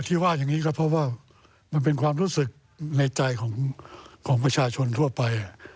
ที่ว่าอย่างนี้ก็เพราะว่ามันเป็นความรู้สึกในใจของประชาชนทั่วไป